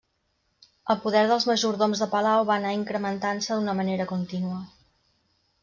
El poder dels majordoms de palau va anar incrementant-se d'una manera contínua.